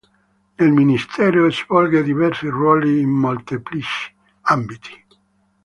Nel Ministero svolge diversi ruoli in molteplici ambiti.